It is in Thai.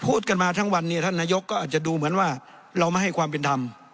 พูดกันมาทั้งวันเนี่ยท่านนายกก็อาจจะดูเหมือนว่าเราไม่ให้ความเป็นธรรม